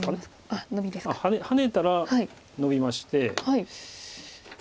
あっハネたらノビまして。